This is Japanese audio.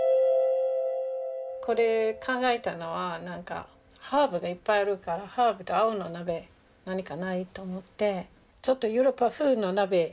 これ考えたのはハーブがいっぱいあるからハーブと合う鍋何かないと思ってヨーロッパ風の鍋を考えたのね。